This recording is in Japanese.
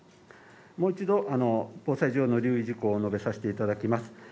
もう一度防災上の留意事項を述べさせていただきます